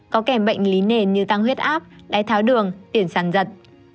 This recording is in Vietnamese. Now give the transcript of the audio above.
có kẻ bệnh lý nền như tăng huyết áp đáy tháo đường tiền sàn giật